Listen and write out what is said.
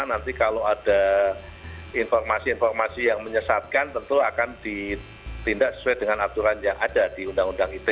nanti kalau ada informasi informasi yang menyesatkan tentu akan ditindak sesuai dengan aturan yang ada di undang undang ite